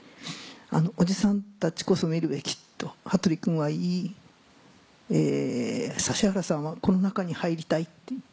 おじさんたちこそ見るべきと羽鳥君は言い指原さんは「この中に入りたい」って言って。